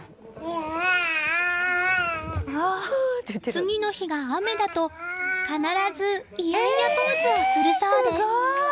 次の日が雨だと必ずイヤイヤポーズをするそうです。